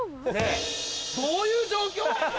どういう状況？